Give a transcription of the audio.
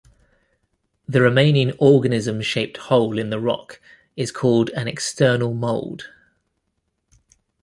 The remaining organism-shaped hole in the rock is called an "external mold".